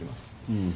うん。